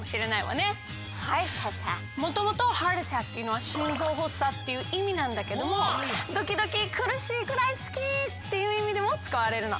もともと「ｈｅａｒｔａｔｔａｃｋ」っていうのは心臓発作っていういみなんだけどもドキドキ苦しいくらい好き！っていういみでもつかわれるの。